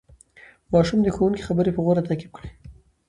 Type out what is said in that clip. ماشوم د ښوونکي خبرې په غور تعقیب کړې